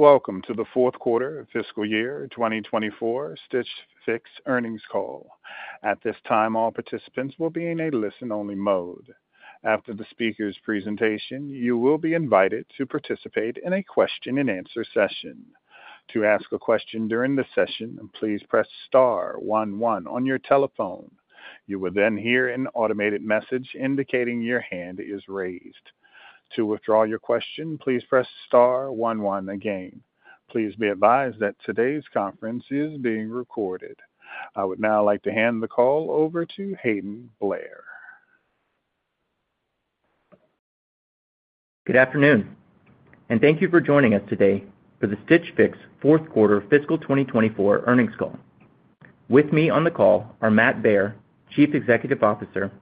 Welcome to the fourth quarter of fiscal year 2024 Stitch Fix earnings call. At this time, all participants will be in a listen-only mode. After the speaker's presentation, you will be invited to participate in a question-and-answer session. To ask a question during the session, please press star one one on your telephone. You will then hear an automated message indicating your hand is raised. To withdraw your question, please press star one one again. Please be advised that today's conference is being recorded. I would now like to hand the call over to Hayden Blair. Good afternoon, and thank you for joining us today for the Stitch Fix fourth quarter fiscal twenty twenty-four earnings call. With me on the call are Matt Baer, Chief Executive Officer,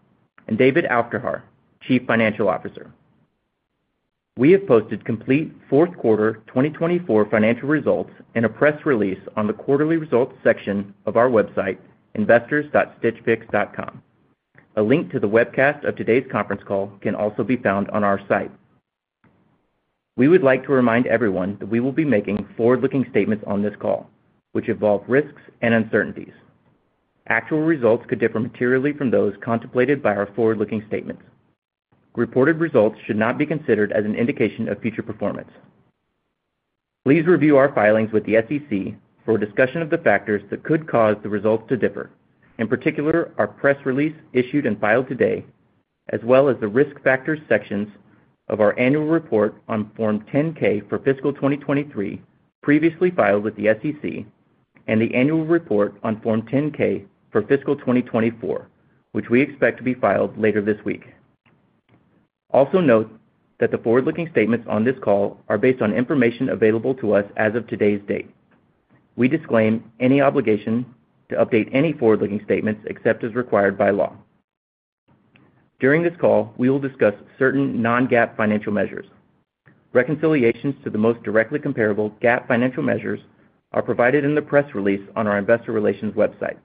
and David Aufderhaar, Chief Financial Officer. We have posted complete fourth quarter 2024 financial results in a press release on the quarterly results section of our website, investors.stitchfix.com. A link to the webcast of today's conference call can also be found on our site. We would like to remind everyone that we will be making forward-looking statements on this call, which involve risks and uncertainties. Actual results could differ materially from those contemplated by our forward-looking statements. Reported results should not be considered as an indication of future performance. Please review our filings with the SEC for a discussion of the factors that could cause the results to differ. In particular, our press release issued and filed today, as well as the Risk Factors sections of our annual report on Form 10-K for fiscal 2023, previously filed with the SEC, and the annual report on Form 10-K for fiscal 2024, which we expect to be filed later this week. Also, note that the forward-looking statements on this call are based on information available to us as of today's date. We disclaim any obligation to update any forward-looking statements except as required by law. During this call, we will discuss certain non-GAAP financial measures. Reconciliations to the most directly comparable GAAP financial measures are provided in the press release on our investor relations website.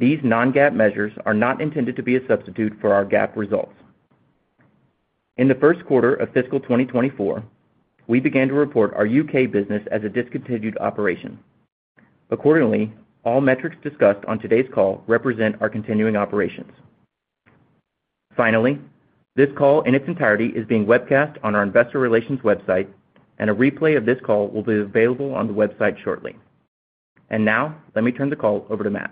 These non-GAAP measures are not intended to be a substitute for our GAAP results. In the first quarter of fiscal 2024, we began to report our UK business as a discontinued operation. Accordingly, all metrics discussed on today's call represent our continuing operations. Finally, this call in its entirety is being webcast on our investor relations website, and a replay of this call will be available on the website shortly. And now, let me turn the call over to Matt.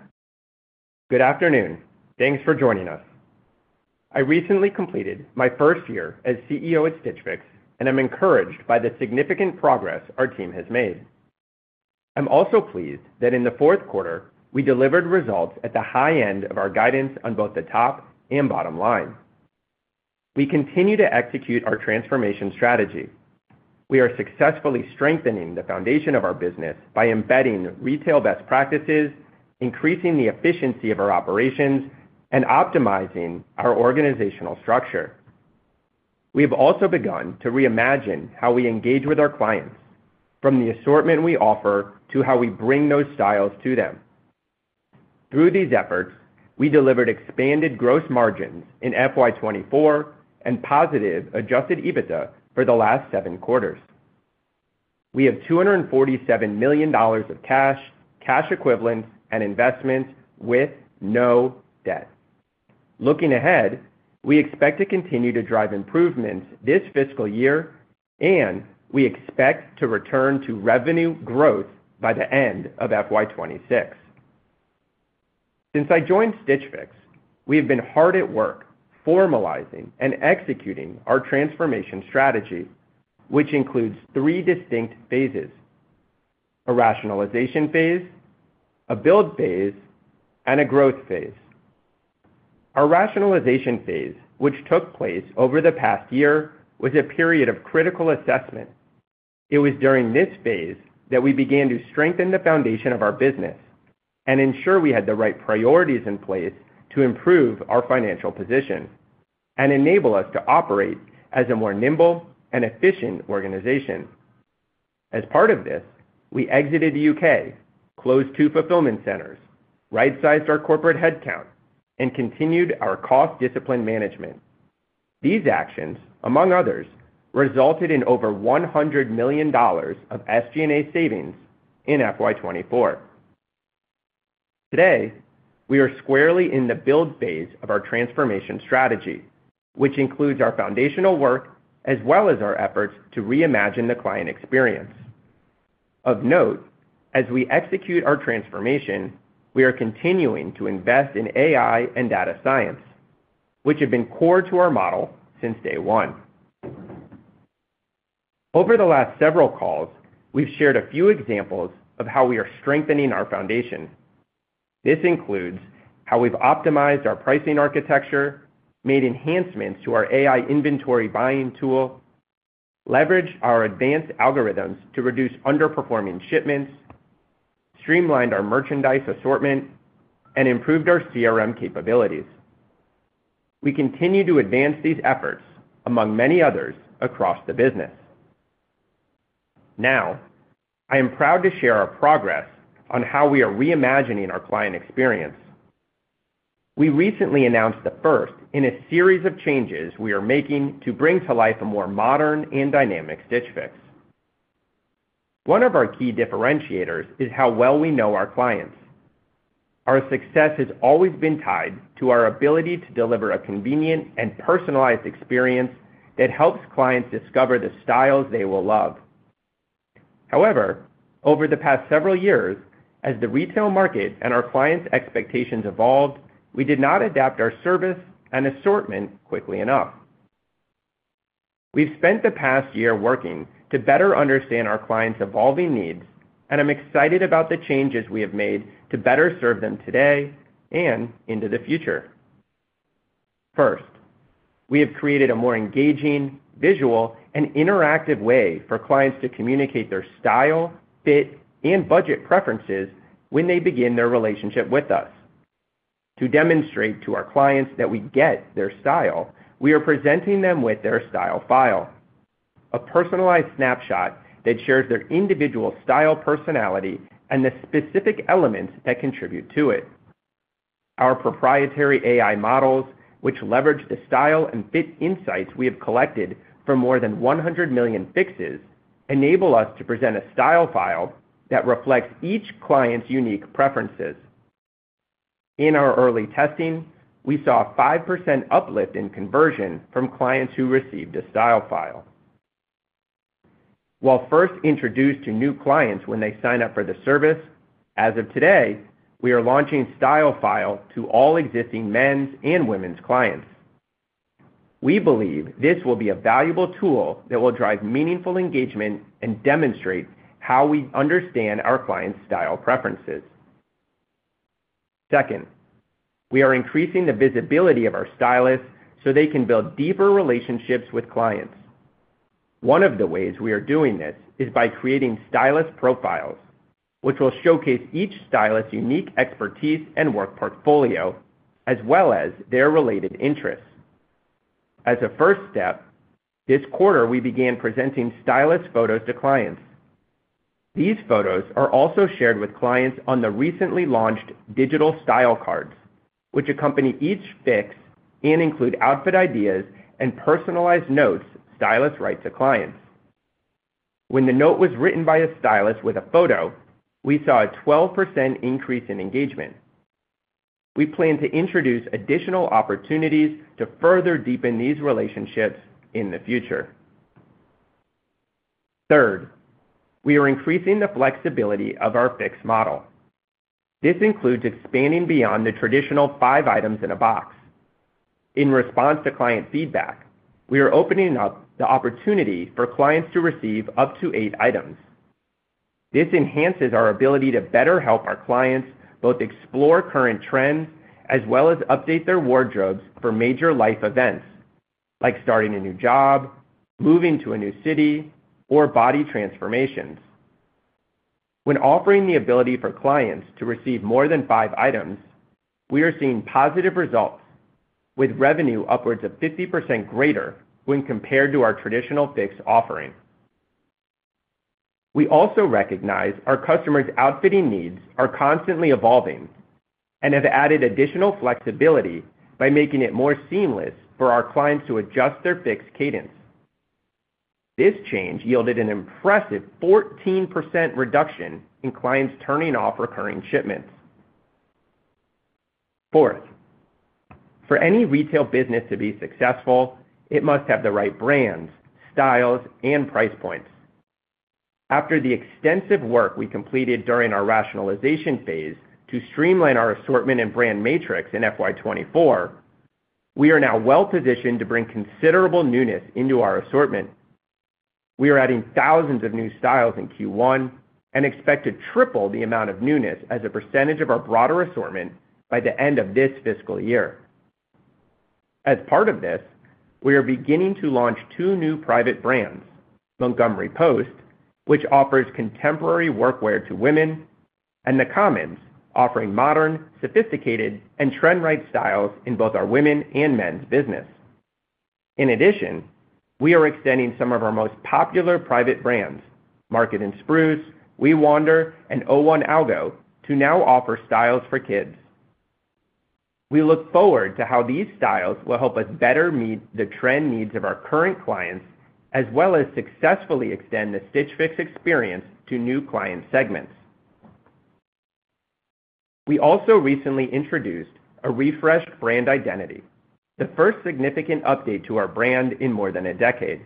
Good afternoon. Thanks for joining us. I recently completed my first year as CEO at Stitch Fix, and I'm encouraged by the significant progress our team has made. I'm also pleased that in the fourth quarter, we delivered results at the high end of our guidance on both the top and bottom line. We continue to execute our transformation strategy. We are successfully strengthening the foundation of our business by embedding retail best practices, increasing the efficiency of our operations, and optimizing our organizational structure. We have also begun to reimagine how we engage with our clients, from the assortment we offer to how we bring those styles to them. Through these efforts, we delivered expanded gross margins in FY 2024 and positive Adjusted EBITDA for the last seven quarters. We have $247 million of cash, cash equivalents, and investments with no debt. Looking ahead, we expect to continue to drive improvements this fiscal year, and we expect to return to revenue growth by the end of FY 2026. Since I joined Stitch Fix, we have been hard at work formalizing and executing our transformation strategy, which includes three distinct phases: a rationalization phase, a build phase, and a growth phase. Our rationalization phase, which took place over the past year, was a period of critical assessment. It was during this phase that we began to strengthen the foundation of our business and ensure we had the right priorities in place to improve our financial position and enable us to operate as a more nimble and efficient organization. As part of this, we exited the U.K., closed two fulfillment centers, right-sized our corporate headcount, and continued our cost discipline management. These actions, among others, resulted in over $100 million of SG&A savings in FY 2024. Today, we are squarely in the build phase of our transformation strategy, which includes our foundational work as well as our efforts to reimagine the client experience. Of note, as we execute our transformation, we are continuing to invest in AI and data science, which have been core to our model since day one. Over the last several calls, we've shared a few examples of how we are strengthening our foundation. This includes how we've optimized our pricing architecture, made enhancements to our AI inventory buying tool, leveraged our advanced algorithms to reduce underperforming shipments, streamlined our merchandise assortment, and improved our CRM capabilities. We continue to advance these efforts among many others across the business. Now, I am proud to share our progress on how we are reimagining our client experience. We recently announced the first in a series of changes we are making to bring to life a more modern and dynamic Stitch Fix. One of our key differentiators is how well we know our clients. Our success has always been tied to our ability to deliver a convenient and personalized experience that helps clients discover the styles they will love. However, over the past several years, as the retail market and our clients' expectations evolved, we did not adapt our service and assortment quickly enough. We've spent the past year working to better understand our clients' evolving needs, and I'm excited about the changes we have made to better serve them today and into the future. First, we have created a more engaging, visual, and interactive way for clients to communicate their style, fit, and budget preferences when they begin their relationship with us. To demonstrate to our clients that we get their style, we are presenting them with their Style File, a personalized snapshot that shares their individual style, personality, and the specific elements that contribute to it. Our proprietary AI models, which leverage the style and fit insights we have collected from more than 100 million fixes, enable us to present a Style File that reflects each client's unique preferences. In our early testing, we saw a 5% uplift in conversion from clients who received a Style File. While first introduced to new clients when they sign up for the service, as of today, we are launching Style File to all existing men's and women's clients. We believe this will be a valuable tool that will drive meaningful engagement and demonstrate how we understand our clients' style preferences. Second, we are increasing the visibility of our stylists so they can build deeper relationships with clients. One of the ways we are doing this is by creating stylist profiles, which will showcase each stylist's unique expertise and work portfolio, as well as their related interests. As a first step, this quarter, we began presenting stylist photos to clients. These photos are also shared with clients on the recently launched digital style cards, which accompany each fix and include outfit ideas and personalized notes stylists write to clients. When the note was written by a stylist with a photo, we saw a 12% increase in engagement. We plan to introduce additional opportunities to further deepen these relationships in the future. Third, we are increasing the flexibility of our Fix model. This includes expanding beyond the traditional five items in a box. In response to client feedback, we are opening up the opportunity for clients to receive up to eight items. This enhances our ability to better help our clients both explore current trends, as well as update their wardrobes for major life events, like starting a new job, moving to a new city, or body transformations. When offering the ability for clients to receive more than five items, we are seeing positive results, with revenue upwards of 50% greater when compared to our traditional Fix offering. We also recognize our customers' outfitting needs are constantly evolving and have added additional flexibility by making it more seamless for our clients to adjust their Fix cadence. This change yielded an impressive 14% reduction in clients turning off recurring shipments. Fourth, for any retail business to be successful, it must have the right brands, styles, and price points. After the extensive work we completed during our rationalization phase to streamline our assortment and brand matrix in FY 2024, we are now well positioned to bring considerable newness into our assortment. We are adding thousands of new styles in Q1 and expect to triple the amount of newness as a percentage of our broader assortment by the end of this fiscal year. As part of this, we are beginning to launch two new private brands, Montgomery Post, which offers contemporary workwear to women, and The Commons, offering modern, sophisticated, and trend-right styles in both our women and men's business. In addition, we are extending some of our most popular private brands, Market & Spruce, We Wander, and 01.Algo, to now offer styles for kids. We look forward to how these styles will help us better meet the trend needs of our current clients, as well as successfully extend the Stitch Fix experience to new client segments. We also recently introduced a refreshed brand identity, the first significant update to our brand in more than a decade.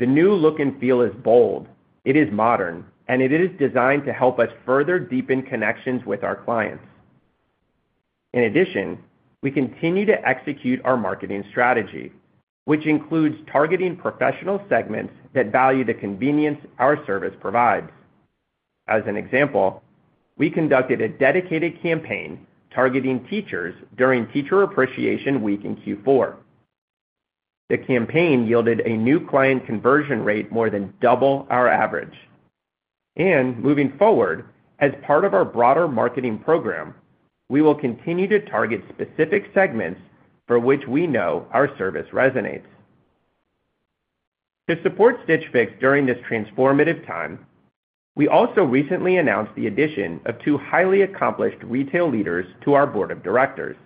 The new look and feel is bold, it is modern, and it is designed to help us further deepen connections with our clients. In addition, we continue to execute our marketing strategy, which includes targeting professional segments that value the convenience our service provides. As an example, we conducted a dedicated campaign targeting teachers during Teacher Appreciation Week in Q4. The campaign yielded a new client conversion rate more than double our average. And moving forward, as part of our broader marketing program, we will continue to target specific segments for which we know our service resonates… To support Stitch Fix during this transformative time, we also recently announced the addition of two highly accomplished retail leaders to our board of directors.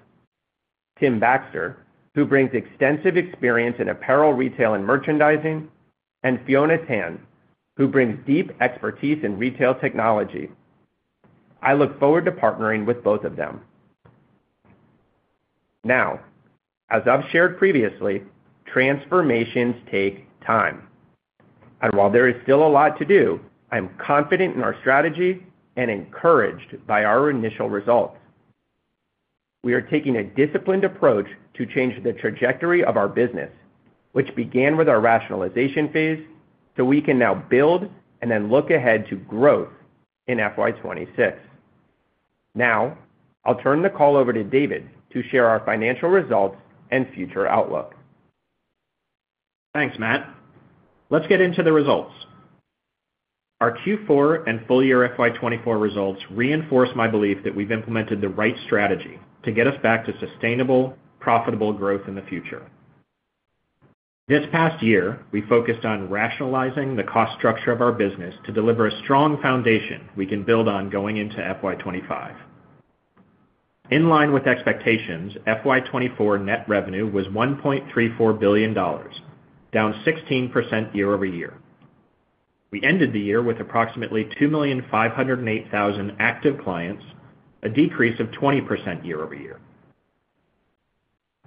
Tim Baxter, who brings extensive experience in apparel, retail, and merchandising, and Fiona Tan, who brings deep expertise in retail technology. I look forward to partnering with both of them. Now, as I've shared previously, transformations take time, and while there is still a lot to do, I'm confident in our strategy and encouraged by our initial results. We are taking a disciplined approach to change the trajectory of our business, which began with our rationalization phase, so we can now build and then look ahead to growth in FY 2026. Now, I'll turn the call over to David to share our financial results and future outlook. Thanks, Matt. Let's get into the results. Our Q4 and full year FY 2024 results reinforce my belief that we've implemented the right strategy to get us back to sustainable, profitable growth in the future. This past year, we focused on rationalizing the cost structure of our business to deliver a strong foundation we can build on going into FY 2025. In line with expectations, FY 2024 net revenue was $1.34 billion, down 16% year over year. We ended the year with approximately 2.508 million active clients, a decrease of 20% year over year.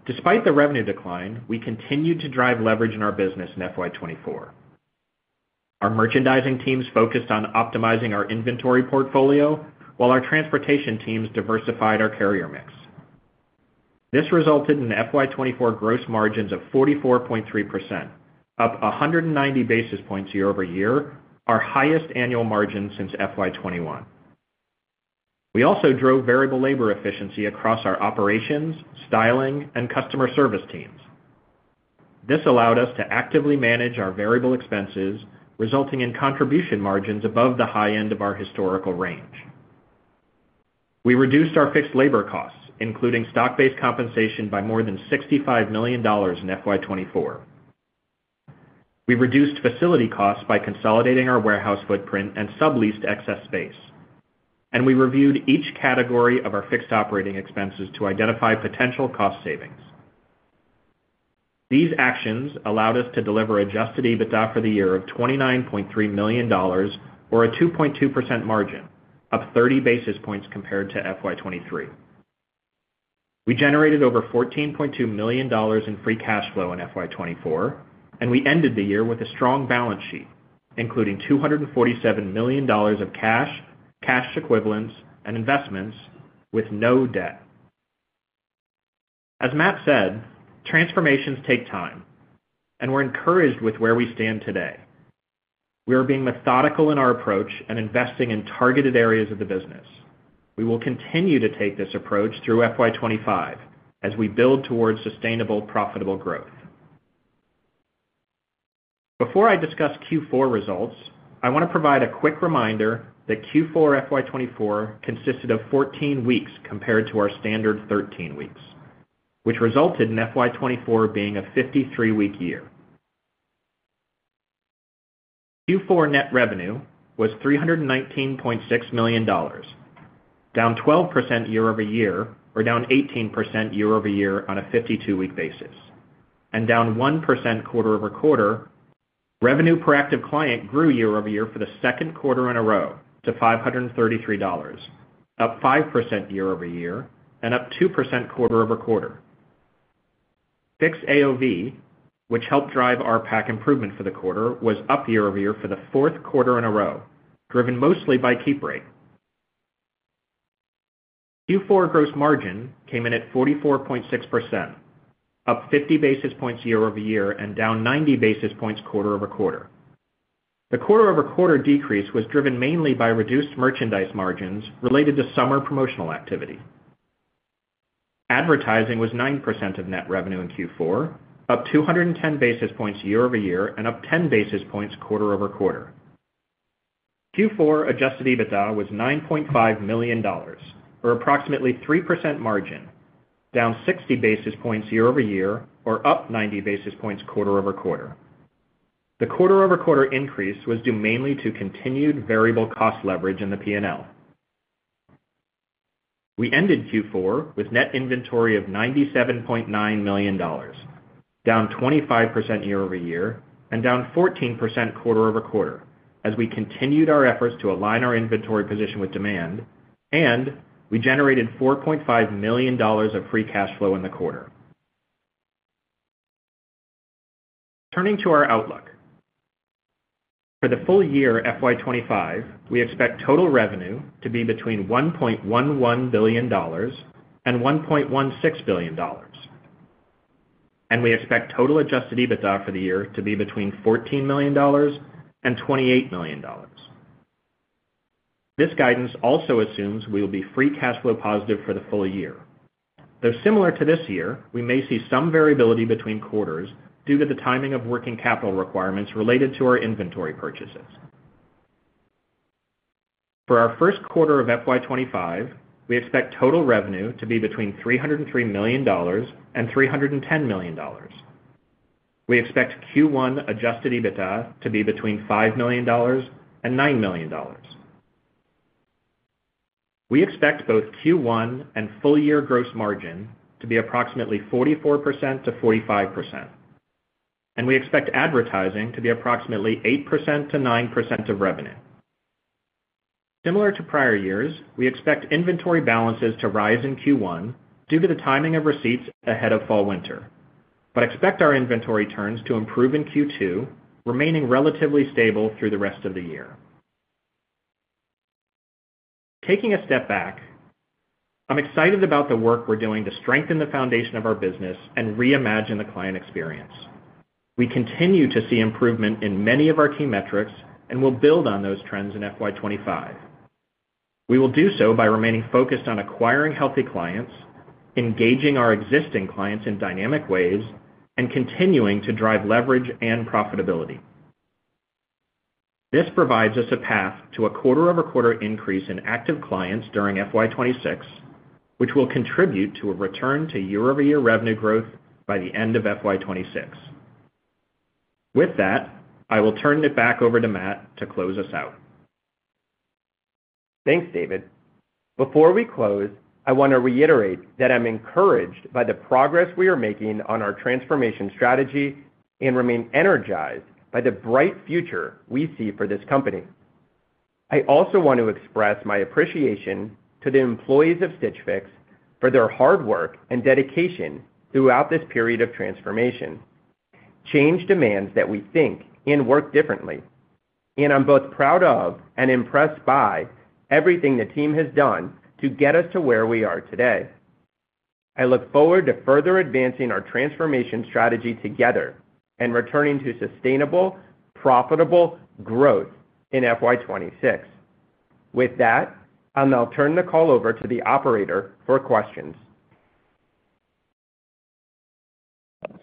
Despite the revenue decline, we continued to drive leverage in our business in FY 2024. Our merchandising teams focused on optimizing our inventory portfolio, while our transportation teams diversified our carrier mix. This resulted in FY 2024 gross margins of 44.3%, up 190 basis points year over year, our highest annual margin since FY 2021. We also drove variable labor efficiency across our operations, styling, and customer service teams. This allowed us to actively manage our variable expenses, resulting in contribution margins above the high end of our historical range. We reduced our fixed labor costs, including stock-based compensation, by more than $65 million in FY 2024. We reduced facility costs by consolidating our warehouse footprint and subleased excess space, and we reviewed each category of our fixed operating expenses to identify potential cost savings. These actions allowed us to deliver adjusted EBITDA for the year of $29.3 million, or a 2.2% margin, up 30 basis points compared to FY 2023. We generated over $14.2 million in free cash flow in FY 2024, and we ended the year with a strong balance sheet, including $247 million of cash, cash equivalents, and investments with no debt. As Matt said, transformations take time, and we're encouraged with where we stand today. We are being methodical in our approach and investing in targeted areas of the business. We will continue to take this approach through FY 2025 as we build towards sustainable, profitable growth. Before I discuss Q4 results, I want to provide a quick reminder that Q4 FY 2024 consisted of 14 weeks compared to our standard 13 weeks, which resulted in FY 2024 being a 53-week year. Q4 net revenue was $319.6 million, down 12% year over year, or down 18% year over year on a 52-week basis, and down 1% quarter over quarter. Revenue per active client grew year over year for the second quarter in a row to $533, up 5% year over year and up 2% quarter over quarter. Fix AOV, which helped drive our PAC improvement for the quarter, was up year over year for the fourth quarter in a row, driven mostly by keep rate. Q4 gross margin came in at 44.6%, up 50 basis points year over year and down 90 basis points quarter over quarter. The quarter over quarter decrease was driven mainly by reduced merchandise margins related to summer promotional activity. Advertising was 9% of net revenue in Q4, up 210 basis points year over year and up 10 basis points quarter over quarter. Q4 Adjusted EBITDA was $9.5 million, or approximately 3% margin, down 60 basis points year over year or up 90 basis points quarter over quarter. The quarter over quarter increase was due mainly to continued variable cost leverage in the P&L. We ended Q4 with net inventory of $97.9 million, down 25% year over year and down 14% quarter over quarter, as we continued our efforts to align our inventory position with demand, and we generated $4.5 million of free cash flow in the quarter. Turning to our outlook. For the full year FY 2025, we expect total revenue to be between $1.11 billion and $1.16 billion, and we expect total adjusted EBITDA for the year to be between $14 million and $28 million. This guidance also assumes we will be free cash flow positive for the full year, though similar to this year, we may see some variability between quarters due to the timing of working capital requirements related to our inventory purchases. For our first quarter of FY 2025, we expect total revenue to be between $303 million and $310 million. We expect Q1 adjusted EBITDA to be between $5 million and $9 million. We expect both Q1 and full year gross margin to be approximately 44% to 45%, and we expect advertising to be approximately 8% to 9% of revenue. Similar to prior years, we expect inventory balances to rise in Q1 due to the timing of receipts ahead of fall/winter, but expect our inventory turns to improve in Q2, remaining relatively stable through the rest of the year. Taking a step back, I'm excited about the work we're doing to strengthen the foundation of our business and reimagine the client experience. We continue to see improvement in many of our key metrics, and we'll build on those trends in FY 2025. We will do so by remaining focused on acquiring healthy clients, engaging our existing clients in dynamic ways, and continuing to drive leverage and profitability. This provides us a path to a quarter-over-quarter increase in active clients during FY 2026, which will contribute to a return to year-over-year revenue growth by the end of FY 2026. With that, I will turn it back over to Matt to close us out. Thanks, David. Before we close, I want to reiterate that I'm encouraged by the progress we are making on our transformation strategy and remain energized by the bright future we see for this company. I also want to express my appreciation to the employees of Stitch Fix for their hard work and dedication throughout this period of transformation. Change demands that we think and work differently, and I'm both proud of and impressed by everything the team has done to get us to where we are today. I look forward to further advancing our transformation strategy together and returning to sustainable, profitable growth in FY 2026. With that, I'll now turn the call over to the operator for questions.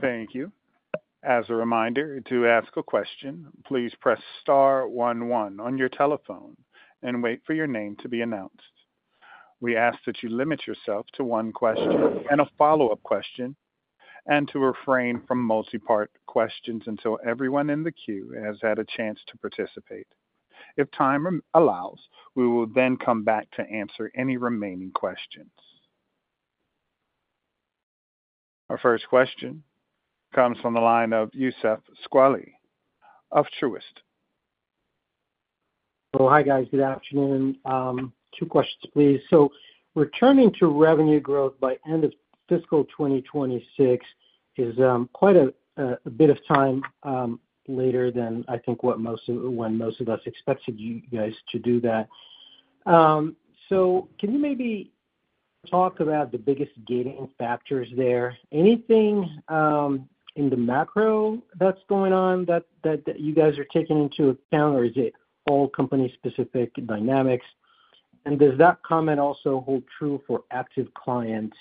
Thank you. As a reminder, to ask a question, please press star one, one on your telephone and wait for your name to be announced. We ask that you limit yourself to one question and a follow-up question, and to refrain from multi-part questions until everyone in the queue has had a chance to participate. If time allows, we will then come back to answer any remaining questions. Our first question comes from the line of Youssef Squali of Truist. Hi, guys. Good afternoon. Two questions, please. So returning to revenue growth by end of fiscal 2026 is quite a bit of time later than I think what most of us expected you guys to do that. So can you maybe talk about the biggest gating factors there? Anything in the macro that's going on, that you guys are taking into account, or is it all company-specific dynamics? And does that comment also hold true for active clients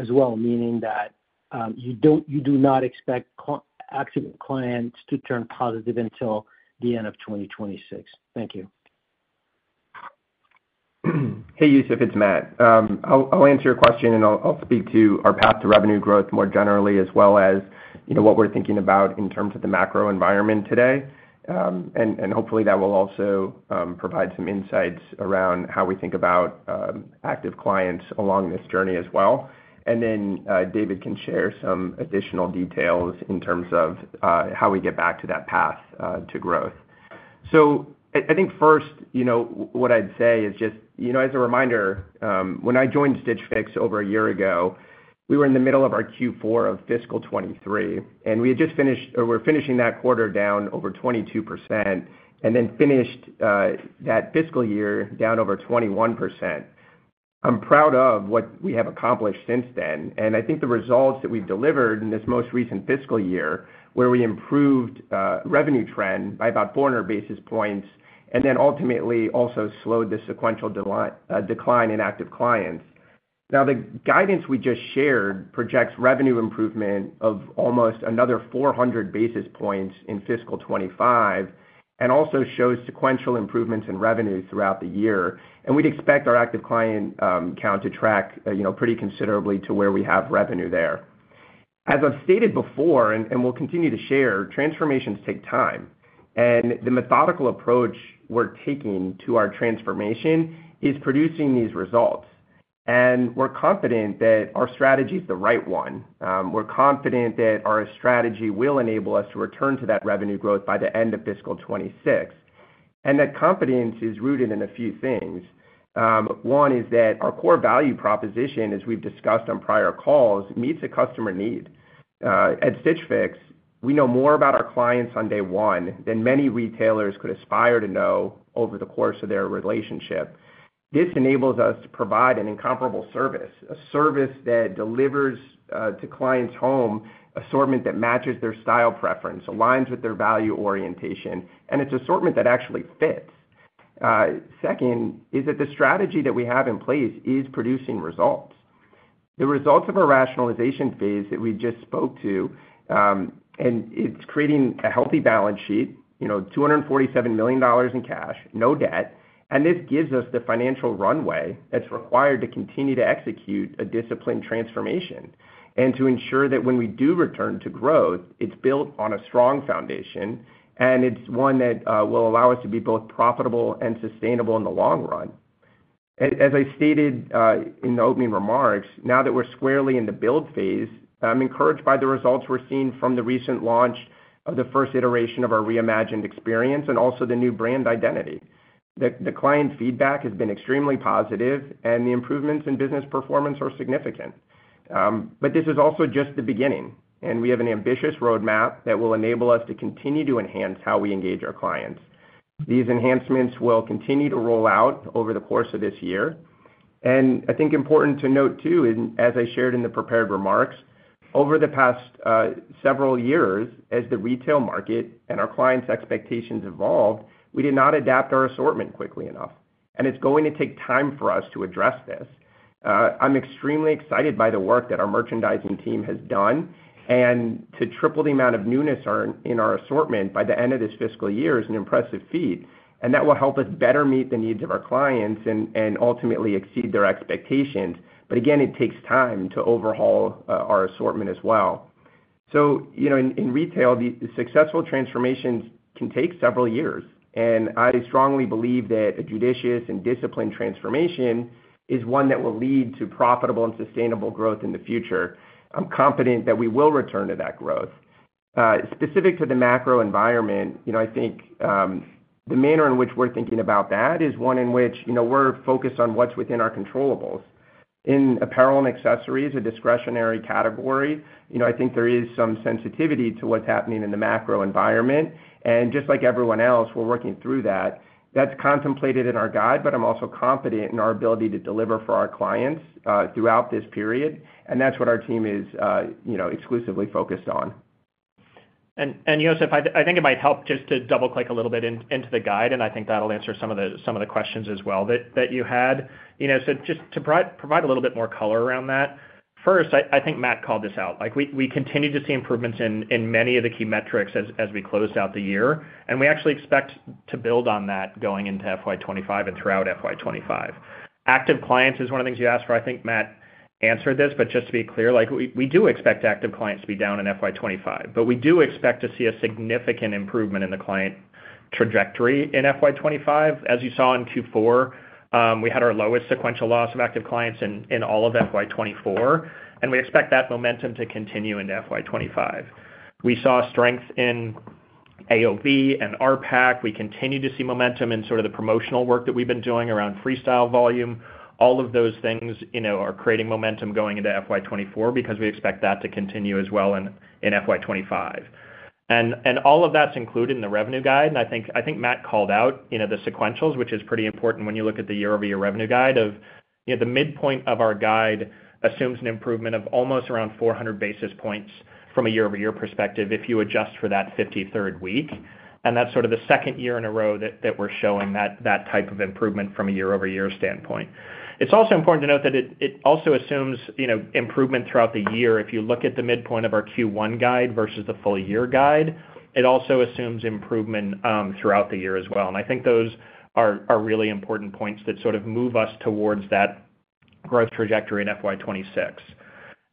as well, meaning that you do not expect active clients to turn positive until the end of 2026? Thank you. Hey, Youssef, it's Matt. I'll answer your question, and I'll speak to our path to revenue growth more generally, as well as, you know, what we're thinking about in terms of the macro environment today. And hopefully that will also provide some insights around how we think about active clients along this journey as well. And then David can share some additional details in terms of how we get back to that path to growth. So I think first, you know, what I'd say is just, you know, as a reminder, when I joined Stitch Fix over a year ago, we were in the middle of our Q4 of fiscal 2023, and we had just finished or we were finishing that quarter down over 22% and then finished that fiscal year down over 21%. I'm proud of what we have accomplished since then, and I think the results that we've delivered in this most recent fiscal year, where we improved revenue trend by about four hundred basis points, and then ultimately also slowed the sequential decline in active clients. Now, the guidance we just shared projects revenue improvement of almost another four hundred basis points in fiscal twenty-five and also shows sequential improvements in revenues throughout the year. We'd expect our active client count to track, you know, pretty considerably to where we have revenue there. As I've stated before, and we'll continue to share, transformations take time, and the methodical approach we're taking to our transformation is producing these results. We're confident that our strategy is the right one. We're confident that our strategy will enable us to return to that revenue growth by the end of fiscal 2026, and that confidence is rooted in a few things. One is that our core value proposition, as we've discussed on prior calls, meets a customer need. At Stitch Fix, we know more about our clients on day one than many retailers could aspire to know over the course of their relationship. This enables us to provide an incomparable service, a service that delivers to clients' home, assortment that matches their style preference, aligns with their value orientation, and it's assortment that actually fits. Second is that the strategy that we have in place is producing results. the results of our rationalization phase that we just spoke to, and it's creating a healthy balance sheet, you know, $247 million in cash, no debt. And this gives us the financial runway that's required to continue to execute a disciplined transformation, and to ensure that when we do return to growth, it's built on a strong foundation, and it's one that will allow us to be both profitable and sustainable in the long run. As I stated in the opening remarks, now that we're squarely in the build phase, I'm encouraged by the results we're seeing from the recent launch of the first iteration of our reimagined experience and also the new brand identity. The client feedback has been extremely positive, and the improvements in business performance are significant. But this is also just the beginning, and we have an ambitious roadmap that will enable us to continue to enhance how we engage our clients. These enhancements will continue to roll out over the course of this year. And I think important to note, too, in, as I shared in the prepared remarks, over the past several years, as the retail market and our clients' expectations evolved, we did not adapt our assortment quickly enough, and it's going to take time for us to address this. I'm extremely excited by the work that our merchandising team has done, and to triple the amount of newness in our assortment by the end of this fiscal year is an impressive feat, and that will help us better meet the needs of our clients and ultimately exceed their expectations. But again, it takes time to overhaul our assortment as well. So, you know, in retail, the successful transformations can take several years, and I strongly believe that a judicious and disciplined transformation is one that will lead to profitable and sustainable growth in the future. I'm confident that we will return to that growth. Specific to the macro environment, you know, I think, the manner in which we're thinking about that is one in which, you know, we're focused on what's within our controllables. In apparel and accessories, a discretionary category, you know, I think there is some sensitivity to what's happening in the macro environment, and just like everyone else, we're working through that. That's contemplated in our guide, but I'm also confident in our ability to deliver for our clients throughout this period, and that's what our team is, you know, exclusively focused on. Youssef, I think it might help just to double-click a little bit into the guide, and I think that'll answer some of the questions as well that you had. You know, so just to provide a little bit more color around that, first, I think Matt called this out. Like, we continue to see improvements in many of the key metrics as we close out the year, and we actually expect to build on that going into FY 2025 and throughout FY 2025. Active clients is one of the things you asked for. I think Matt answered this, but just to be clear, like, we do expect active clients to be down in FY 2025, but we do expect to see a significant improvement in the client trajectory in FY 2025. As you saw in Q4, we had our lowest sequential loss of active clients in all of FY 2024, and we expect that momentum to continue into FY 2025. We saw strength in AOV and RPAC. We continue to see momentum in sort of the promotional work that we've been doing around Freestyle volume. All of those things, you know, are creating momentum going into FY 2024, because we expect that to continue as well in FY 2025. And all of that's included in the revenue guide, and I think Matt called out, you know, the sequentials, which is pretty important when you look at the year-over-year revenue guide of, you know, the midpoint of our guide assumes an improvement of almost around 400 basis points from a year-over-year perspective, if you adjust for that fifty-third week. And that's sort of the second year in a row that we're showing that type of improvement from a year-over-year standpoint. It's also important to note that it also assumes, you know, improvement throughout the year. If you look at the midpoint of our Q1 guide versus the full year guide, it also assumes improvement throughout the year as well. And I think those are really important points that sort of move us towards that growth trajectory in FY 2026.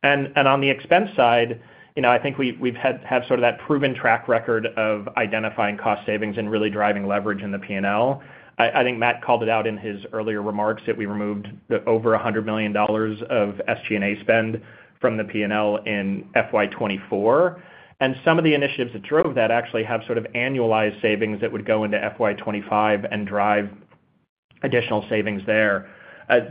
And on the expense side, you know, I think we've had sort of that proven track record of identifying cost savings and really driving leverage in the P&L. I think Matt called it out in his earlier remarks, that we removed over $100 million of SG&A spend from the P&L in FY 2024, and some of the initiatives that drove that actually have sort of annualized savings that would go into FY 2025 and drive additional savings there.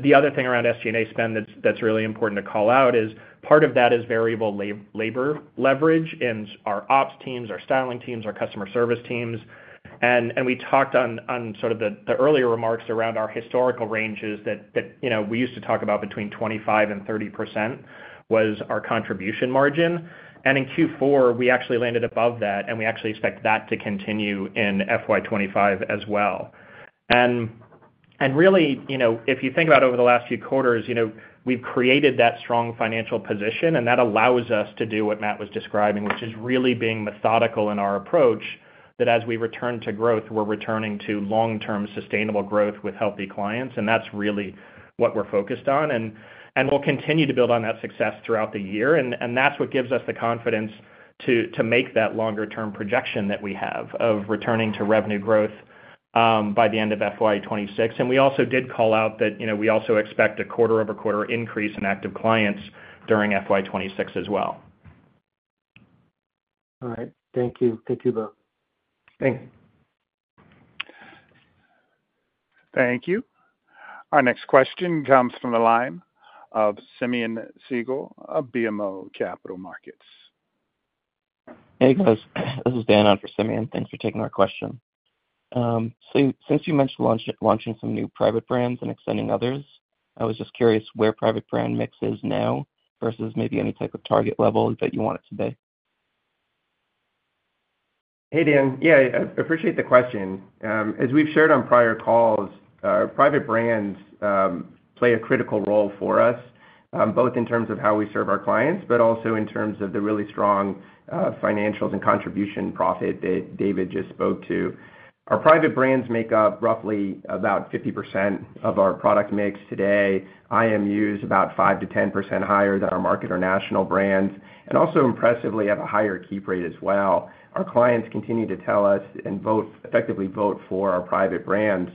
The other thing around SG&A spend that's really important to call out is, part of that is variable labor leverage in our ops teams, our styling teams, our customer service teams. We talked on sort of the earlier remarks around our historical ranges that, you know, we used to talk about between 25% and 30% was our contribution margin. In Q4, we actually landed above that, and we actually expect that to continue in FY 2025 as well. And really, you know, if you think about over the last few quarters, you know, we've created that strong financial position, and that allows us to do what Matt was describing, which is really being methodical in our approach, that as we return to growth, we're returning to long-term, sustainable growth with healthy clients, and that's really what we're focused on. We'll continue to build on that success throughout the year. That's what gives us the confidence to make that longer term projection that we have of returning to revenue growth by the end of FY 2026. We also did call out that, you know, we also expect a quarter over quarter increase in active clients during FY 2026 as well. All right. Thank you. Thank you both. Thanks. Thank you. Our next question comes from the line of Simeon Siegel of BMO Capital Markets. Hey, guys, this is Dan on for Simeon. Thanks for taking our question. So since you mentioned launching some new private brands and extending others, I was just curious where private brand mix is now versus maybe any type of target level that you want it to be?... Hey, Dan. Yeah, I appreciate the question. As we've shared on prior calls, private brands play a critical role for us, both in terms of how we serve our clients, but also in terms of the really strong financials and contribution profit that David just spoke to. Our private brands make up roughly about 50% of our product mix today. IMU is about 5% to 10% higher than our market or national brands, and also impressively, have a higher keep rate as well. Our clients continue to tell us and vote effectively for our private brands.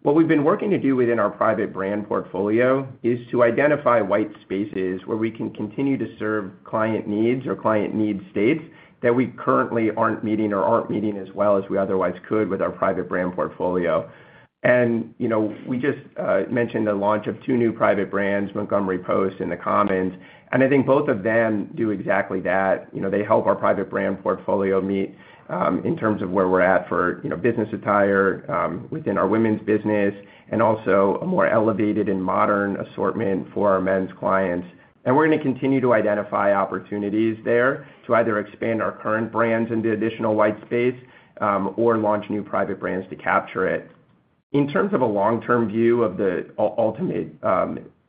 What we've been working to do within our private brand portfolio is to identify white spaces where we can continue to serve client needs or client need states that we currently aren't meeting or aren't meeting as well as we otherwise could with our private brand portfolio. And, you know, we just mentioned the launch of two new private brands, Montgomery Post and The Commons, and I think both of them do exactly that. You know, they help our private brand portfolio meet in terms of where we're at for, you know, business attire within our women's business, and also a more elevated and modern assortment for our men's clients. And we're going to continue to identify opportunities there to either expand our current brands into additional white space, or launch new private brands to capture it. In terms of a long-term view of the ultimate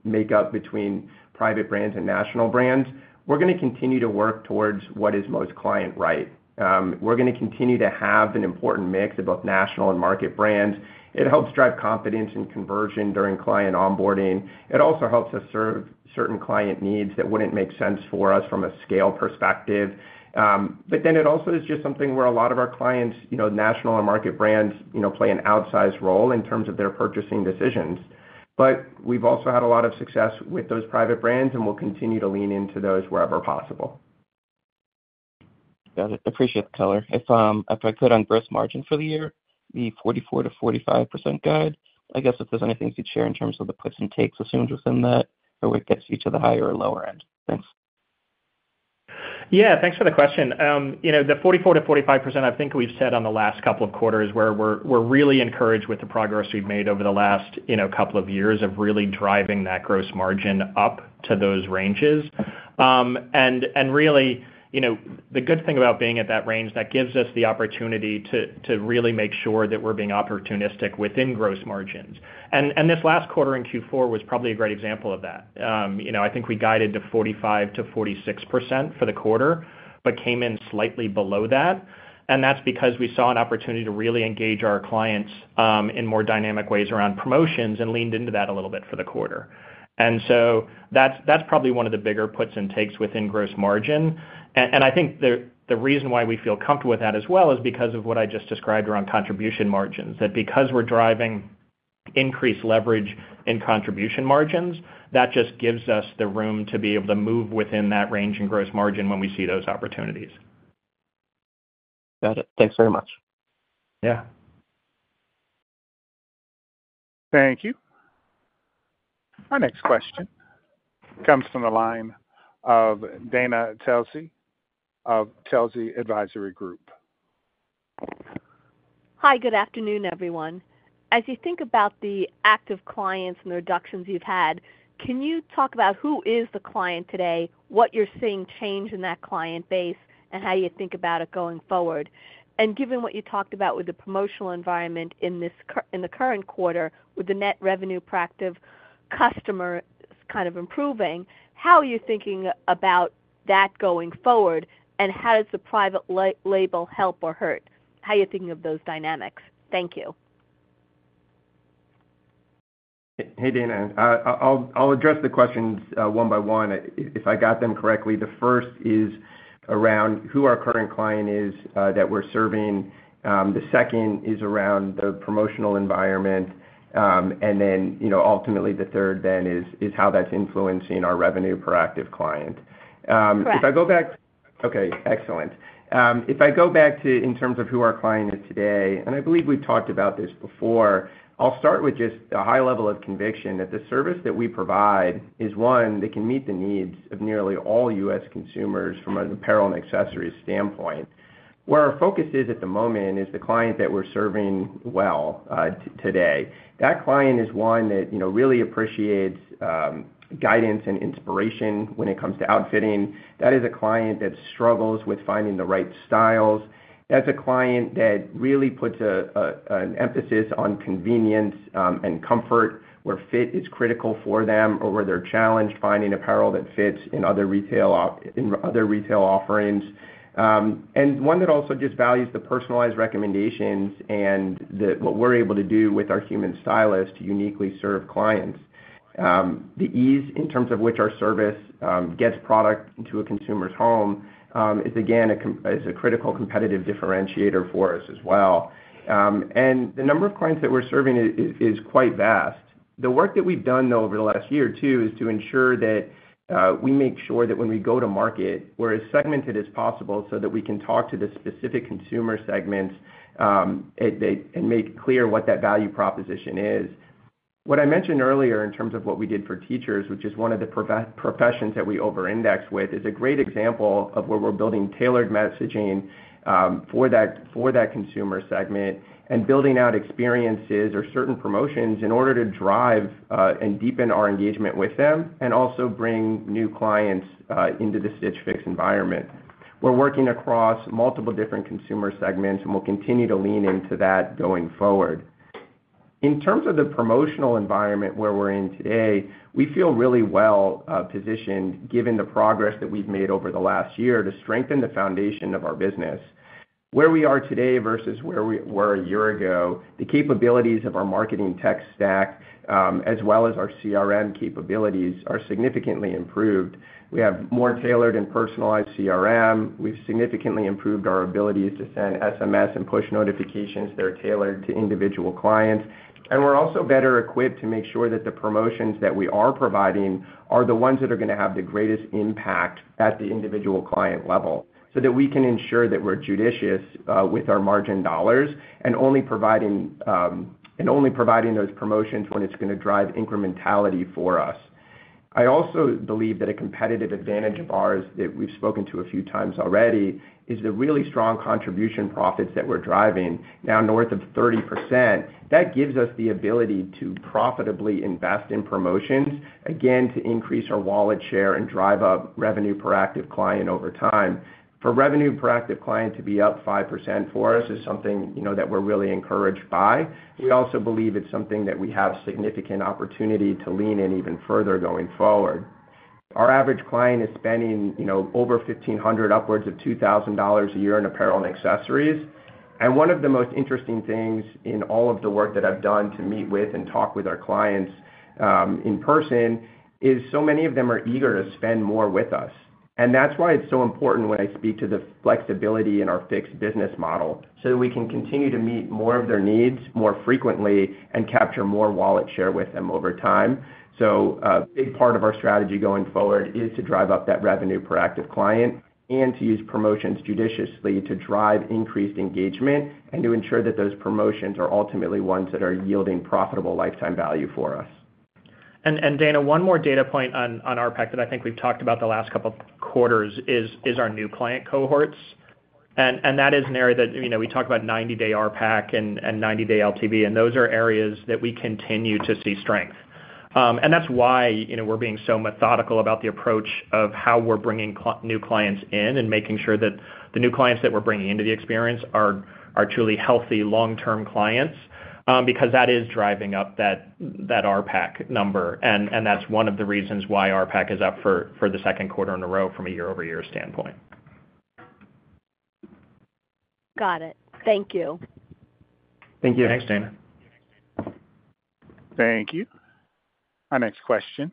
makeup between private brands and national brands, we're going to continue to work towards what is most client right. We're going to continue to have an important mix of both national and market brands. It helps drive confidence and conversion during client onboarding. It also helps us serve certain client needs that wouldn't make sense for us from a scale perspective. But then it also is just something where a lot of our clients, you know, national and market brands, you know, play an outsized role in terms of their purchasing decisions. But we've also had a lot of success with those private brands, and we'll continue to lean into those wherever possible. Got it. Appreciate the color. If, if I could on gross margin for the year, the 44%-45% guide, I guess if there's anything to share in terms of the puts and takes assumed within that, or what gets you to the higher or lower end? Thanks. Yeah, thanks for the question. You know, the 44%-45%, I think we've said on the last couple of quarters, where we're really encouraged with the progress we've made over the last couple of years of really driving that gross margin up to those ranges. And really, you know, the good thing about being at that range, that gives us the opportunity to really make sure that we're being opportunistic within gross margins. And this last quarter in Q4 was probably a great example of that. You know, I think we guided to 45%-46% for the quarter, but came in slightly below that. And that's because we saw an opportunity to really engage our clients in more dynamic ways around promotions and leaned into that a little bit for the quarter. And so that's probably one of the bigger puts and takes within gross margin. And I think the reason why we feel comfortable with that as well is because of what I just described around contribution margins. That because we're driving increased leverage in contribution margins, that just gives us the room to be able to move within that range and gross margin when we see those opportunities. Got it. Thanks very much. Yeah. Thank you. Our next question comes from the line of Dana Telsey of Telsey Advisory Group. Hi, good afternoon, everyone. As you think about the active clients and the reductions you've had, can you talk about who is the client today, what you're seeing change in that client base, and how you think about it going forward? And given what you talked about with the promotional environment in this in the current quarter, with the net revenue per active customer kind of improving, how are you thinking about that going forward, and how does the private label help or hurt? How are you thinking of those dynamics? Thank you. Hey, Dana. I'll address the questions one by one. If I got them correctly, the first is around who our current client is that we're serving. The second is around the promotional environment, and then, you know, ultimately, the third then is how that's influencing our revenue per active client. Correct. If I go back to in terms of who our client is today, and I believe we've talked about this before, I'll start with just a high level of conviction that the service that we provide is one that can meet the needs of nearly all U.S. consumers from an apparel and accessories standpoint. Where our focus is at the moment is the client that we're serving well today. That client is one that, you know, really appreciates guidance and inspiration when it comes to outfitting. That is a client that struggles with finding the right styles. That's a client that really puts an emphasis on convenience and comfort, where fit is critical for them, or where they're challenged finding apparel that fits in other retail offerings. And one that also just values the personalized recommendations and that what we're able to do with our human stylists to uniquely serve clients. The ease in terms of which our service gets product into a consumer's home is again a critical competitive differentiator for us as well. And the number of clients that we're serving is quite vast. The work that we've done, though, over the last year, too, is to ensure that we make sure that when we go to market, we're as segmented as possible so that we can talk to the specific consumer segments and make clear what that value proposition is. What I mentioned earlier in terms of what we did for teachers, which is one of the professions that we overindex with, is a great example of where we're building tailored messaging for that consumer segment, and building out experiences or certain promotions in order to drive and deepen our engagement with them, and also bring new clients into the Stitch Fix environment. We're working across multiple different consumer segments, and we'll continue to lean into that going forward. In terms of the promotional environment where we're in today, we feel really well positioned, given the progress that we've made over the last year to strengthen the foundation of our business. Where we are today versus where we were a year ago, the capabilities of our marketing tech stack, as well as our CRM capabilities, are significantly improved. We have more tailored and personalized CRM. We've significantly improved our ability to send SMS and push notifications that are tailored to individual clients. And we're also better equipped to make sure that the promotions that we are providing are the ones that are going to have the greatest impact at the individual client level, so that we can ensure that we're judicious with our margin dollars and only providing those promotions when it's going to drive incrementality for us. I also believe that a competitive advantage of ours that we've spoken to a few times already is the really strong contribution profits that we're driving now north of 30%. That gives us the ability to profitably invest in promotions, again, to increase our wallet share and drive up revenue per active client over time. For revenue per active client to be up 5% for us is something, you know, that we're really encouraged by. We also believe it's something that we have significant opportunity to lean in even further going forward. Our average client is spending, you know, over $1,500, upwards of $2,000 a year in apparel and accessories. And one of the most interesting things in all of the work that I've done to meet with and talk with our clients, in person, is so many of them are eager to spend more with us. And that's why it's so important when I speak to the flexibility in our Fix business model, so that we can continue to meet more of their needs more frequently and capture more wallet share with them over time. A big part of our strategy going forward is to drive up that revenue per active client and to use promotions judiciously to drive increased engagement and to ensure that those promotions are ultimately ones that are yielding profitable lifetime value for us. Dana, one more data point on RPAC that I think we've talked about the last couple of quarters is our new client cohorts. And that is an area that, you know, we talk about 90-day RPAC and 90-day LTV, and those are areas that we continue to see strength. And that's why, you know, we're being so methodical about the approach of how we're bringing new clients in and making sure that the new clients that we're bringing into the experience are truly healthy, long-term clients, because that is driving up that RPAC number. And that's one of the reasons why RPAC is up for the second quarter in a row from a year-over-year standpoint. Got it. Thank you. Thank you. Thanks, Dana. Thank you. Our next question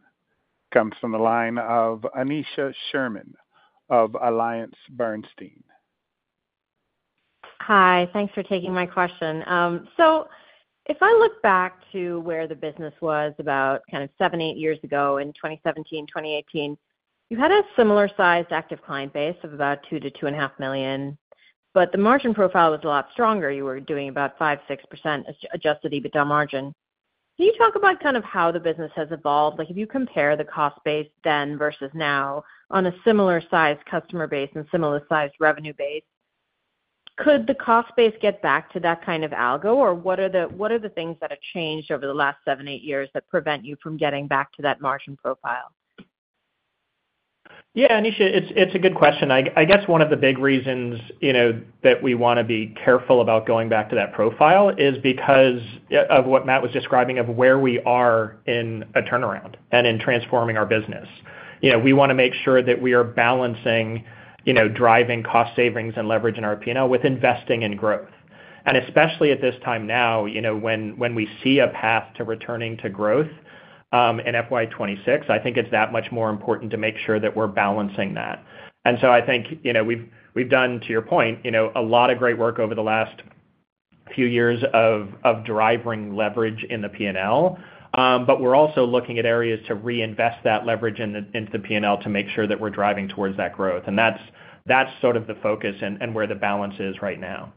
comes from the line of Aneesha Sherman of AllianceBernstein. Hi, thanks for taking my question. So if I look back to where the business was about kind of seven, eight years ago in 2017, 2018, you had a similar sized active client base of about $22.5 million, but the margin profile was a lot stronger. You were doing about 5%-6% adjusted EBITDA margin. Can you talk about kind of how the business has evolved? Like, if you compare the cost base then versus now on a similar size customer base and similar size revenue base, could the cost base get back to that kind of level, or what are the things that have changed over the last seven, eight years that prevent you from getting back to that margin profile? Yeah, Aneesha, it's a good question. I guess one of the big reasons, you know, that we want to be careful about going back to that profile is because, yeah, of what Matt was describing of where we are in a turnaround and in transforming our business. You know, we want to make sure that we are balancing, you know, driving cost savings and leverage in our P&L with investing in growth. And especially at this time now, you know, when we see a path to returning to growth in FY 2026, I think it's that much more important to make sure that we're balancing that. And so I think, you know, we've done, to your point, you know, a lot of great work over the last few years of driving leverage in the P&L. But we're also looking at areas to reinvest that leverage into the P&L to make sure that we're driving towards that growth. And that's sort of the focus and where the balance is right now.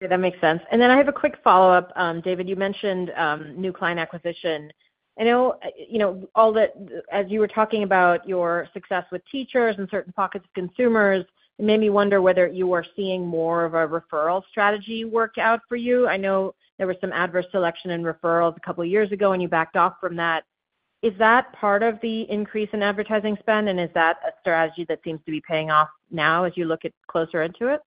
Yeah, that makes sense, and then I have a quick follow-up. David, you mentioned new client acquisition. I know, you know, all that, as you were talking about your success with teachers and certain pockets of consumers. It made me wonder whether you were seeing more of a referral strategy work out for you. I know there was some adverse selection in referrals a couple of years ago, and you backed off from that. Is that part of the increase in advertising spend, and is that a strategy that seems to be paying off now as you look closer into it?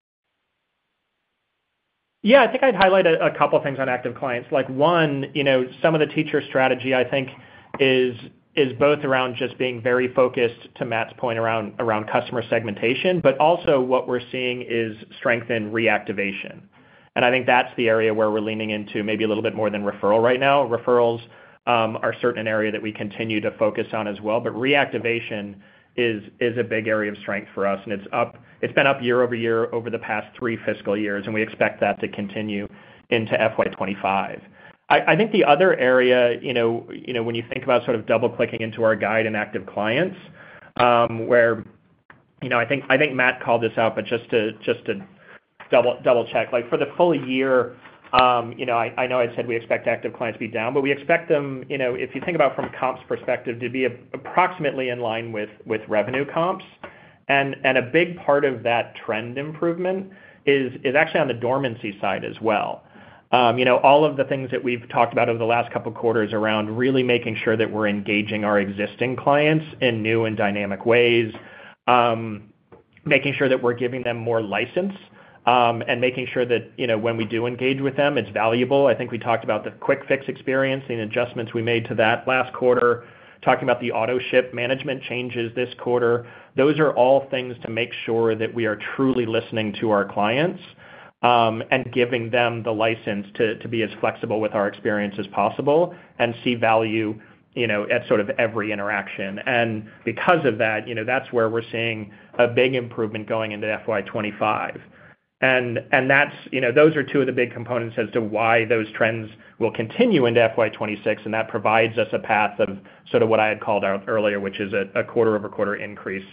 Yeah, I think I'd highlight a couple things on active clients. Like, one, you know, some of the tech strategy, I think, is both around just being very focused, to Matt's point, around customer segmentation, but also what we're seeing is strength in reactivation. And I think that's the area where we're leaning into maybe a little bit more than referral right now. Referrals are certainly an area that we continue to focus on as well, but reactivation is a big area of strength for us, and it's been up year over year over the past three fiscal years, and we expect that to continue into FY 2025. I think the other area, you know, you know, when you think about sort of double-clicking into our guide and active clients, where... You know, I think Matt called this out, but just to double-check. Like, for the full year, you know, I know I said we expect active clients to be down, but we expect them, you know, if you think about from a comps perspective, to be approximately in line with revenue comps. And a big part of that trend improvement is actually on the dormancy side as well. You know, all of the things that we've talked about over the last couple of quarters around really making sure that we're engaging our existing clients in new and dynamic ways, making sure that we're giving them more license, and making sure that, you know, when we do engage with them, it's valuable. I think we talked about the Quick Fix experience and adjustments we made to that last quarter, talking about the auto ship management changes this quarter. Those are all things to make sure that we are truly listening to our clients and giving them the license to be as flexible with our experience as possible and see value, you know, at sort of every interaction. And because of that, you know, that's where we're seeing a big improvement going into FY 2025. And that's, you know, those are two of the big components as to why those trends will continue into FY 2026, and that provides us a path of sort of what I had called out earlier, which is a quarter-over-quarter increase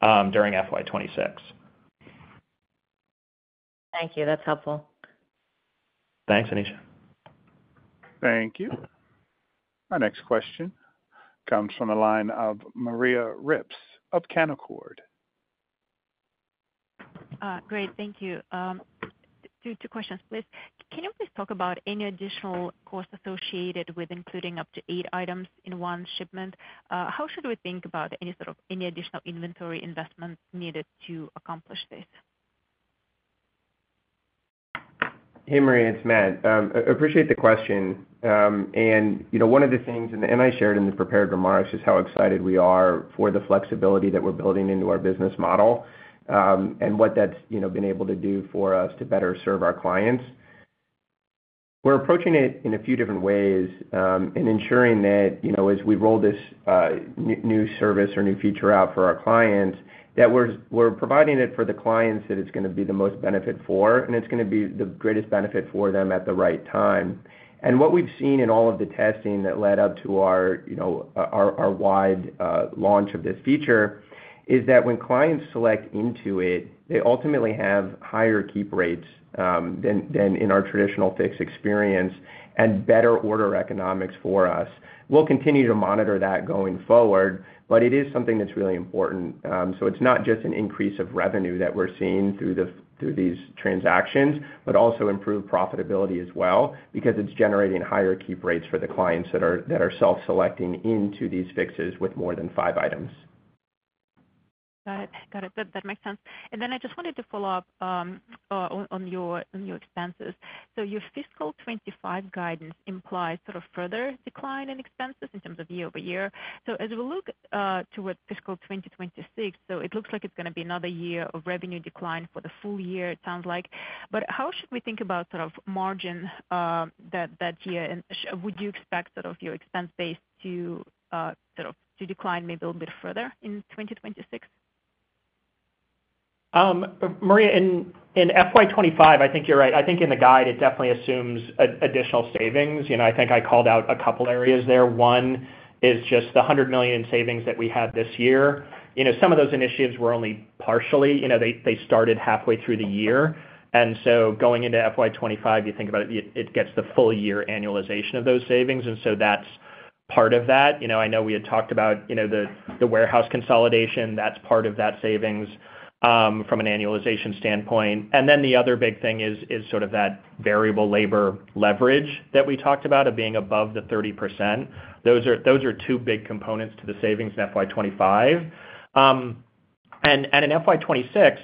during FY 2026. Thank you. That's helpful. Thanks, Aneesha. Thank you. Our next question comes from the line of Maria Ripps of Canaccord. Great, thank you. Two questions, please. Can you please talk about any additional costs associated with including up to eight items in one shipment? How should we think about any sort of, any additional inventory investments needed to accomplish this? Hey, Maria, it's Matt. Appreciate the question, and you know, one of the things I shared in the prepared remarks is how excited we are for the flexibility that we're building into our business model, and what that's, you know, been able to do for us to better serve our clients. We're approaching it in a few different ways, in ensuring that, you know, as we roll this new service or new feature out for our clients, that we're providing it for the clients that it's gonna be the most benefit for, and it's gonna be the greatest benefit for them at the right time. And what we've seen in all of the testing that led up to our, you know, our wide launch of this feature, is that when clients select into it, they ultimately have higher keep rates than in our traditional Fix experience and better order economics for us. We'll continue to monitor that going forward, but it is something that's really important. So it's not just an increase of revenue that we're seeing through these transactions, but also improved profitability as well, because it's generating higher keep rates for the clients that are self-selecting into these Fixes with more than five items. Got it. Got it. That makes sense. And then I just wanted to follow up on your expenses. So your fiscal 2025 guidance implies sort of further decline in expenses in terms of year over year. So as we look towards fiscal 2026, so it looks like it's gonna be another year of revenue decline for the full year, it sounds like. But how should we think about sort of margin that year? And would you expect sort of your expense base to sort of decline maybe a little bit further in 2026? Maria, in FY 2025, I think you're right. I think in the guide, it definitely assumes additional savings. You know, I think I called out a couple areas there. One is just the $100 million in savings that we had this year. You know, some of those initiatives were only partially... You know, they started halfway through the year, and so going into FY 2025, you think about it, it gets the full year annualization of those savings, and so that's part of that. You know, I know we had talked about, you know, the warehouse consolidation. That's part of that savings from an annualization standpoint. And then the other big thing is sort of that variable labor leverage that we talked about of being above the 30%. Those are two big components to the savings in FY 2025. And in FY 2026,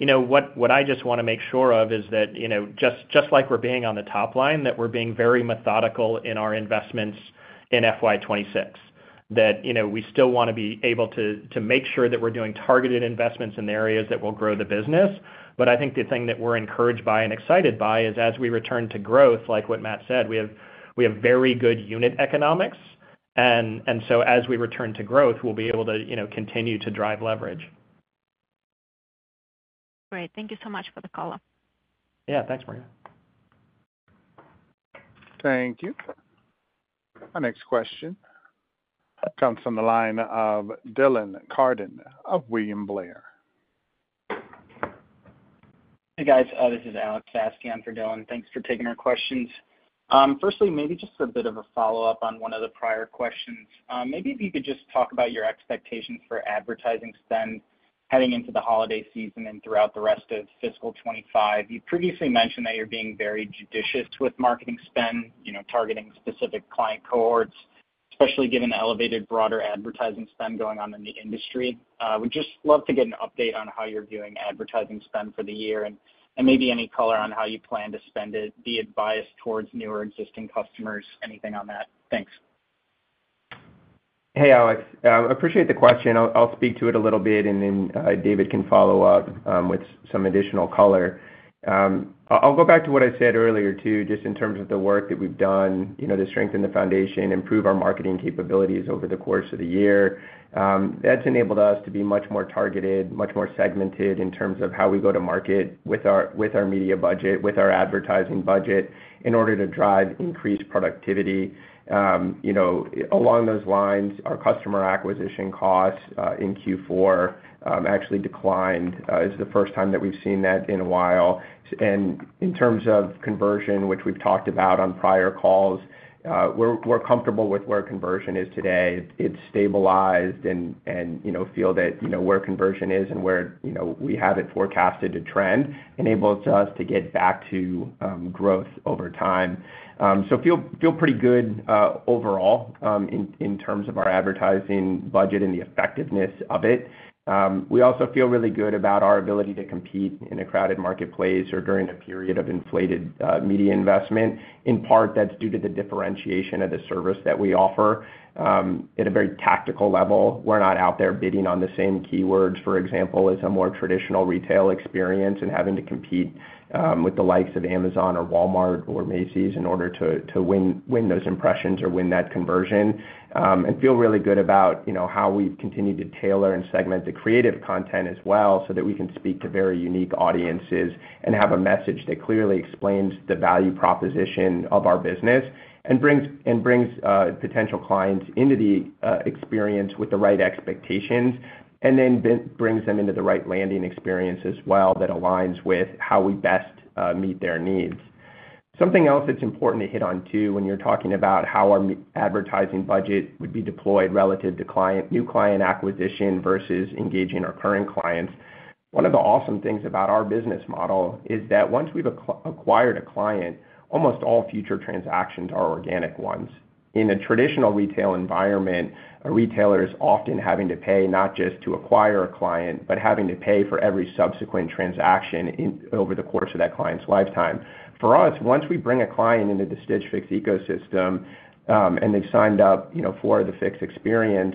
you know, what I just wanna make sure of is that, you know, just like we're being on the top line, that we're being very methodical in our investments in FY 2026. That, you know, we still wanna be able to make sure that we're doing targeted investments in the areas that will grow the business. But I think the thing that we're encouraged by and excited by is as we return to growth, like what Matt said, we have very good unit economics. And so as we return to growth, we'll be able to, you know, continue to drive leverage. Great. Thank you so much for the call. Yeah. Thanks, Maria. Thank you. Our next question comes from the line of Dylan Carden, of William Blair. Hey, guys, this is Alex asking for Dylan. Thanks for taking our questions. Firstly, maybe just a bit of a follow-up on one of the prior questions. Maybe if you could just talk about your expectations for advertising spend heading into the holiday season and throughout the rest of fiscal 2025. You previously mentioned that you're being very judicious with marketing spend, you know, targeting specific client cohorts, especially given the elevated broader advertising spend going on in the industry. Would just love to get an update on how you're viewing advertising spend for the year and, and maybe any color on how you plan to spend it, be it biased towards new or existing customers. Anything on that? Thanks. Hey, Alex, appreciate the question. I'll speak to it a little bit, and then David can follow up with some additional color. I'll go back to what I said earlier, too, just in terms of the work that we've done, you know, to strengthen the foundation, improve our marketing capabilities over the course of the year. That's enabled us to be much more targeted, much more segmented in terms of how we go to market with our, with our media budget, with our advertising budget, in order to drive increased productivity. You know, along those lines, our customer acquisition costs in Q4 actually declined. It's the first time that we've seen that in a while. And in terms of conversion, which we've talked about on prior calls, we're comfortable with where conversion is today. It's stabilized and you know feel that you know where conversion is and where you know we have it forecasted to trend enables us to get back to growth over time so feel pretty good overall in terms of our advertising budget and the effectiveness of it. We also feel really good about our ability to compete in a crowded marketplace or during a period of inflated media investment. In part that's due to the differentiation of the service that we offer. At a very tactical level we're not out there bidding on the same keywords for example as a more traditional retail experience and having to compete with the likes of Amazon or Walmart or Macy's in order to win those impressions or win that conversion. And feel really good about, you know, how we've continued to tailor and segment the creative content as well, so that we can speak to very unique audiences and have a message that clearly explains the value proposition of our business. And brings potential clients into the experience with the right expectations, and then brings them into the right landing experience as well, that aligns with how we best meet their needs. Something else that's important to hit on, too, when you're talking about how our advertising budget would be deployed relative to new client acquisition versus engaging our current clients. One of the awesome things about our business model is that once we've acquired a client, almost all future transactions are organic ones. In a traditional retail environment, a retailer is often having to pay not just to acquire a client, but having to pay for every subsequent transaction in, over the course of that client's lifetime. For us, once we bring a client into the Stitch Fix ecosystem, and they've signed up, you know, for the Fix experience,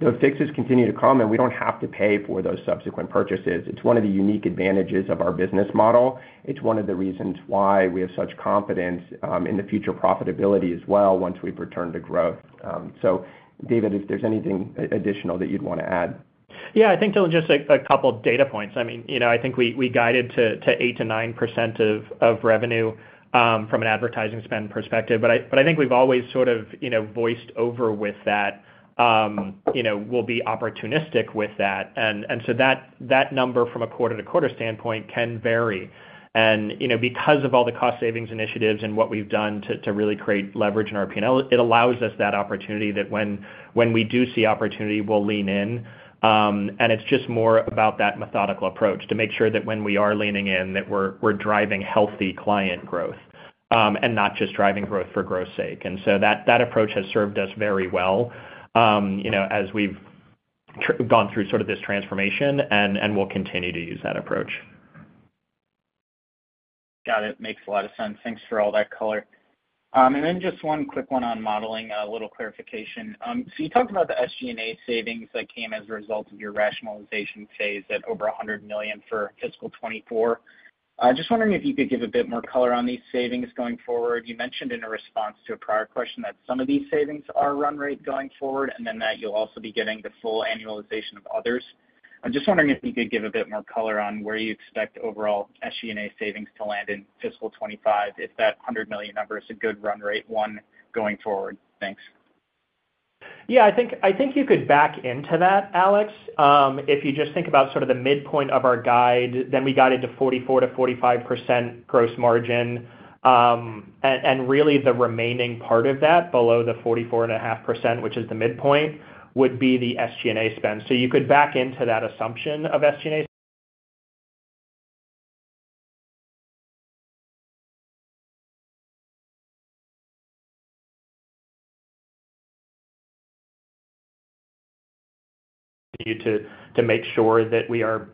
those Fixes continue to come, and we don't have to pay for those subsequent purchases. It's one of the unique advantages of our business model. It's one of the reasons why we have such confidence in the future profitability as well, once we've returned to growth. So David, if there's anything additional that you'd want to add? Yeah, I think just, like, a couple of data points. I mean, you know, I think we guided to 8%-9% of revenue from an advertising spend perspective, but I think we've always sort of, you know, voiced over with that, you know, we'll be opportunistic with that. And so that number from a quarter-to-quarter standpoint can vary. And, you know, because of all the cost savings initiatives and what we've done to really create leverage in our P&L, it allows us that opportunity that when we do see opportunity, we'll lean in. And it's just more about that methodical approach, to make sure that when we are leaning in, that we're driving healthy client growth, and not just driving growth for growth's sake. And so that approach has served us very well, you know, as we've gone through sort of this transformation, and we'll continue to use that approach. Got it. Makes a lot of sense. Thanks for all that color, and then just one quick one on modeling, a little clarification. So you talked about the SG&A savings that came as a result of your rationalization phase at over $100 million for fiscal 2024. I just wondering if you could give a bit more color on these savings going forward. You mentioned in a response to a prior question that some of these savings are run rate going forward, and then that you'll also be getting the full annualization of others. I'm just wondering if you could give a bit more color on where you expect overall SG&A savings to land in fiscal 2025, if that $100 million number is a good run rate one going forward? Thanks. Yeah, I think you could back into that, Alex. If you just think about sort of the midpoint of our guide, then we got into 44%-45% gross margin. And really, the remaining part of that, below the 44.5%, which is the midpoint, would be the SG&A spend. So you could back into that assumption of SG&A to make sure that we are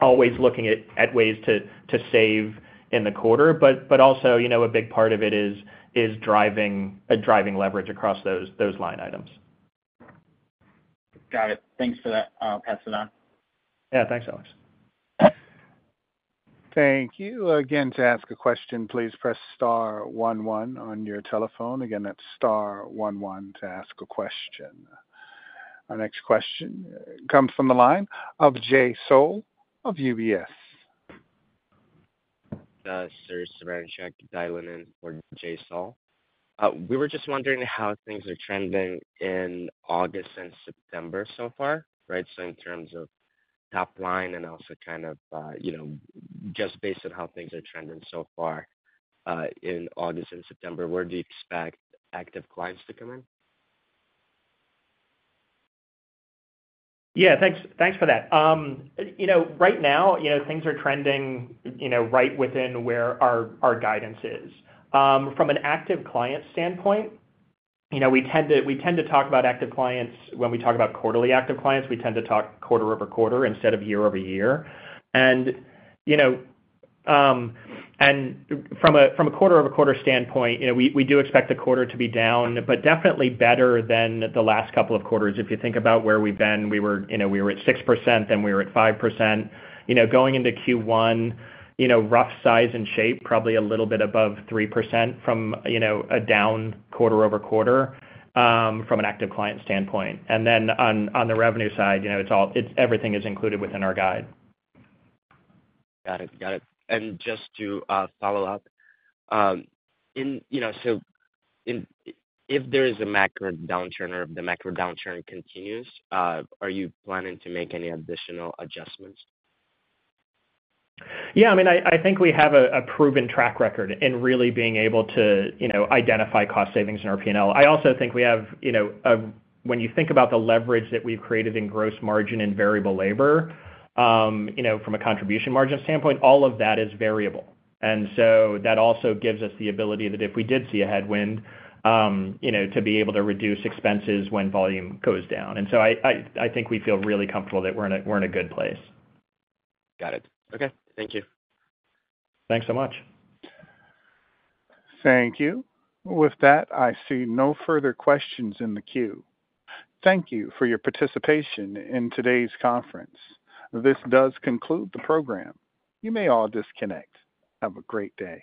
always looking at ways to save in the quarter. But also, you know, a big part of it is driving leverage across those line items. Got it. Thanks for that. I'll pass it on. Yeah. Thanks, Alex. Thank you. Again, to ask a question, please press star one one on your telephone. Again, that's star one one to ask a question. Our next question comes from the line of Jay Sole of UBS. Sorry, Srichakri Adhikarapatti dialing in for Jay Sole. We were just wondering how things are trending in August and September so far, right? So in terms of top line and also kind of, you know, just based on how things are trending so far, in August and September, where do you expect active clients to come in? Yeah, thanks. Thanks for that. You know, right now, things are trending right within where our guidance is. From an active client standpoint, you know, we tend to talk about active clients when we talk about quarterly active clients. We tend to talk quarter over quarter instead of year over year. And from a quarter over quarter standpoint, you know, we do expect the quarter to be down, but definitely better than the last couple of quarters. If you think about where we've been, we were at 6%, then we were at 5%. You know, going into Q1, roughly in size and shape, probably a little bit above 3% from a down quarter over quarter from an active client standpoint. On the revenue side, you know, it's everything is included within our guide. Got it. Got it. And just to follow up, you know, so if there is a macro downturn or if the macro downturn continues, are you planning to make any additional adjustments? Yeah, I mean, I think we have a proven track record in really being able to, you know, identify cost savings in our P&L. I also think we have, you know, when you think about the leverage that we've created in gross margin and variable labor, you know, from a contribution margin standpoint, all of that is variable. And so that also gives us the ability that if we did see a headwind, you know, to be able to reduce expenses when volume goes down. And so I think we feel really comfortable that we're in a good place. Got it. Okay, thank you. Thanks so much. Thank you. With that, I see no further questions in the queue. Thank you for your participation in today's conference. This does conclude the program. You may all disconnect. Have a great day.